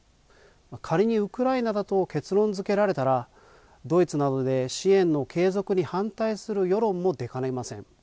仮にウクライナだと結論づけられたら、ドイツなどで支援の継続に反対する世論も出かねません。